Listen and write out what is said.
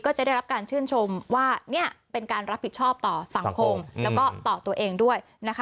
จะได้รับการชื่นชมว่านี่เป็นการรับผิดชอบต่อสังคมแล้วก็ต่อตัวเองด้วยนะคะ